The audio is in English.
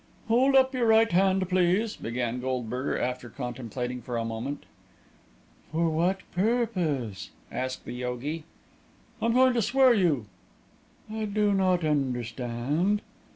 "Hold up your right hand, please," began Goldberger, after contemplating him for a moment. "For what purpose?" asked the yogi. "I'm going to swear you." "I do not understand."